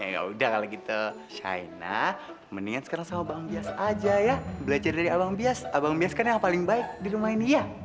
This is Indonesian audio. gakudah kalau gitu shaina mendingan sekarang sama abang bias aja ya belajar dari abang bias abang bias kan yang paling baik di rumah ini ya